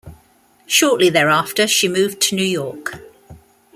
Shortly thereafter, she moved to New York.